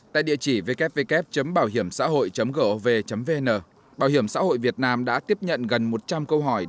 tại địa chỉ ww bảohiểmxãhội gov vn bảo hiểm xã hội việt nam đã tiếp nhận gần một trăm linh câu hỏi